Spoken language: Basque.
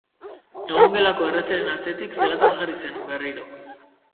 Egongelako errezelen atzetik zelatan jarri zen, berriro.